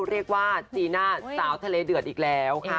เรียกว่าจีน่าสาวทะเลเดือดอีกแล้วค่ะ